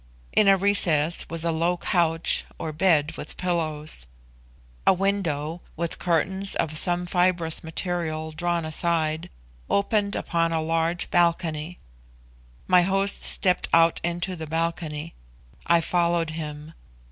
In a recess was a low couch, or bed with pillows. A window, with curtains of some fibrous material drawn aside, opened upon a large balcony. My host stepped out into the balcony; I followed him.